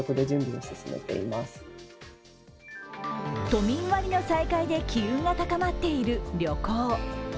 都民割の再開で機運が高まっている旅行。